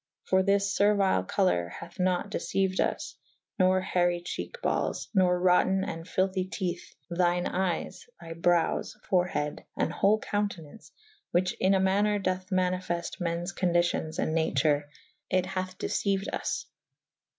For this i'eruile colour hathe nat deceiued vs nor hery cheke balles / nor rotten and fvlthy tethe /thyn^ eyes / thy browes / forhed / and hole couwtenaunce / whiche in a maner dothe manifeit mennes condicyons and nature / it hath diceued vs.